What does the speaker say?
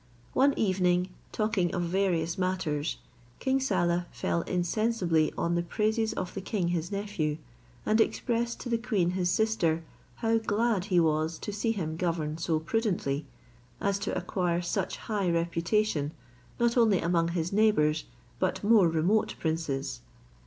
One evening, talking of various matters, King Saleh fell insensibly on the praises of the king his nephew, and expressed to the queen his sister how glad he was to see him govern so prudently, as to acquire such high reputation, not only among his neighbours, but more remote princes.